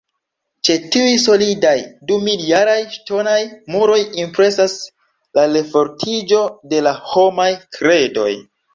Ĉe tiuj solidaj dumiljaraj ŝtonaj muroj impresas la refortiĝo de la homaj kredoj.